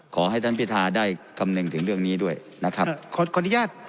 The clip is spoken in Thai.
ขอให้ท่านพิธาได้คำนึงถึงเรื่องนี้ด้วยนะครับขออนุญาต